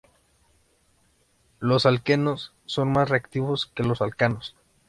Los alquenos son más reactivos que los alcanos.